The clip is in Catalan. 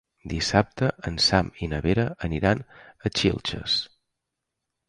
Dissabte en Sam i na Vera aniran a Xilxes.